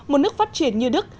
một nước phát triển như đức